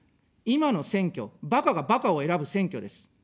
今の選挙、ばかがばかを選ぶ選挙です。